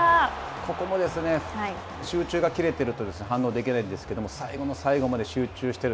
ここもですね、集中が切れていると反応できないんですけど、最後の最後まで集中している。